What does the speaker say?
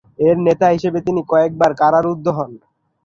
এর নেতা হিসেবে তিনি কয়েকবার কারারুদ্ধ হন।